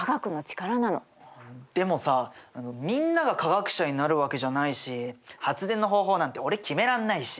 でもさみんなが科学者になるわけじゃないし発電の方法なんて俺決めらんないし。